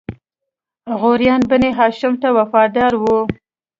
غوریان بنی هاشم ته وفادار وو.